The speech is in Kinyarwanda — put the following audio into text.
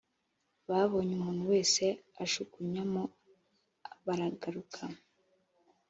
babonye umuntu wese ajugunyamo baragaruka.